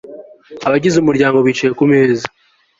Abagize umuryango bicaye kumeza